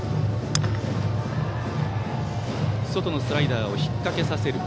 外のスライダーを引っ掛けさせる。